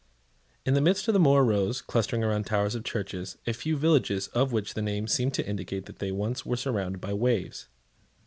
In the midst of the moor rose, clustering round the towers of churches, a few villages of which the names seem to indicate that they once were surrounded by waves.